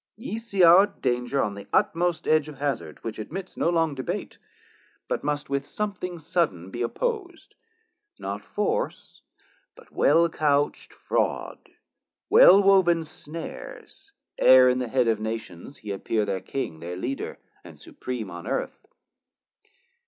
Ye see our danger on the utmost edge Of hazard, which admits no long debate, But must with something sudden be oppos'd, Not force, but well couch't fraud, well woven snares, E're in the head of Nations he appear Their King, their Leader, and Supream on Earth.